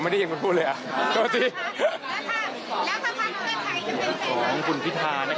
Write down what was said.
ผมไม่ได้ยินคุณพูดเลยอ่ะโทษที